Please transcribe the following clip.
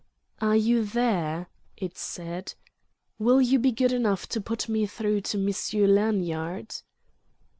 "Are you there?" it said "Will you be good enough to put me through to Monsieur Lanyard?"